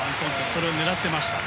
それを狙っていました。